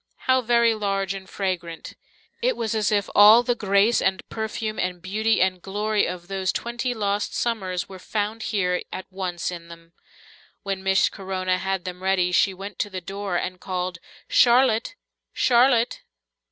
How very large and fragrant! It was as if all the grace and perfume and beauty and glory of those twenty lost summers were found here at once in them. When Miss Corona had them ready, she went to the door and called, "Charlotte! Charlotte!"